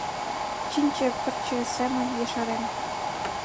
Чинче пырче семын ешарем.